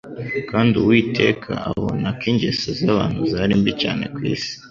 "Kandi Uwiteka abona ' ko ingeso z'abantu zari mbi cyane ku isi,